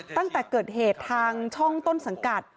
ตั้งแต่เกิดเหตุทางช่องต้นสังกัด